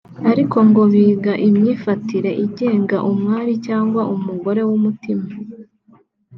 ariko ngo biga imyifatire igenga umwari cyangwa umugore w’umutima